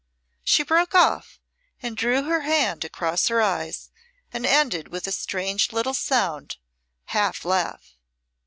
She broke off and drew her hand across her eyes, and ended with a strange little sound, half laugh.